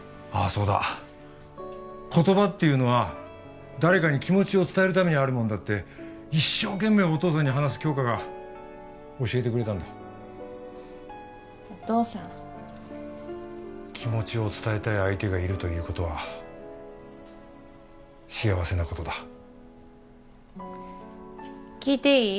そうだ言葉っていうのは誰かに気持ちを伝えるためにあるもんだって一生懸命お父さんに話す杏花が教えてくれたんだお父さん気持ちを伝えたい相手がいるということは幸せなことだ聞いていい？